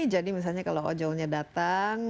jadi misalnya kalau jauhnya datang